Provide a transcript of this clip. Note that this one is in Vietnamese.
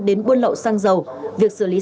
đến buôn lậu xăng dầu việc xử lý